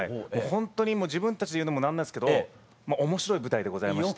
ほんとに自分たちで言うのも何なんですけど面白い舞台でございまして。